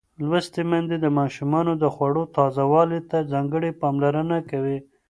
لوستې میندې د ماشومانو د خوړو تازه والي ته ځانګړې پاملرنه کوي.